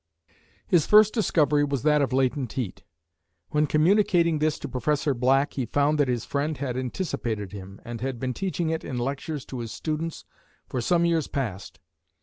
His first discovery was that of latent heat. When communicating this to Professor Black he found that his friend had anticipated him, and had been teaching it in lectures to his students for some years past.